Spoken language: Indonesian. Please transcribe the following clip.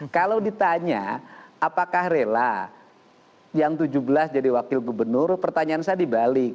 kalau ditanya apakah rela yang tujuh belas jadi wakil gubernur pertanyaan saya dibalik